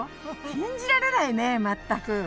信じられないね全く。